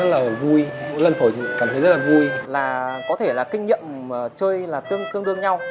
rất là vui lần thổi thì cảm thấy rất là vui là có thể là kinh nghiệm mà chơi là tương tương nhau